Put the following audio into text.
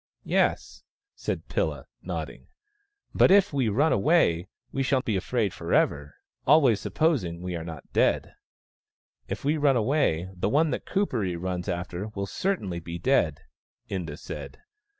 " Yes," said Pilla, nodding. " But if we run away we shall be afraid for ever — always supposing we are not dead." " If we run away, the one that Kuperee runs after 26 THE STONE AXE OF BURKAMUKK will certainly be dead," Inda said.